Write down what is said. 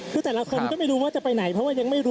คือแต่ละคนก็ไม่รู้ว่าจะไปไหนเพราะว่ายังไม่รู้